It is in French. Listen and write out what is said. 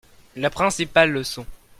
La principale leçon.